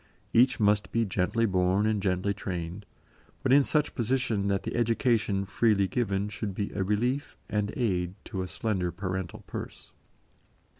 Each must be gently born and gently trained, but in such position that the education freely given should be a relief and aid to a slender parental purse.